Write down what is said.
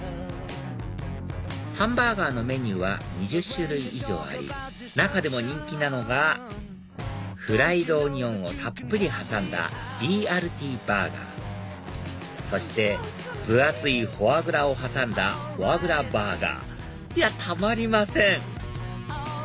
ハンバーガーのメニューは２０種類以上あり中でも人気なのがフライドオニオンをたっぷり挟んだＢＲＴバーガーそして分厚いフォアグラを挟んだフォアグラバーガーいやたまりません！